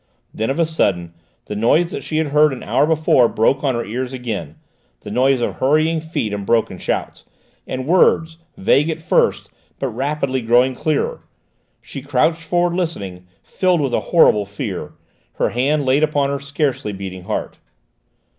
Then, of a sudden, the noise that she had heard an hour before broke on her ears again: the noise of hurrying feet and broken shouts, and words, vague at first but rapidly growing clearer. She crouched forward listening, filled with a horrible fear, her hand laid upon her scarcely beating heart.